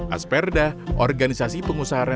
asperda organisasi pengusaha rakyat